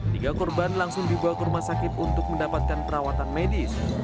tiga korban langsung dibawa ke rumah sakit untuk mendapatkan perawatan medis